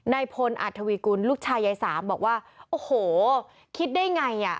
นายพลอัธวีกุลลูกชายยายสามบอกว่าโอ้โหคิดได้ไงอ่ะ